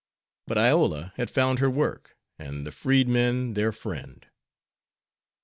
But Iola had found her work, and the freed men their friend.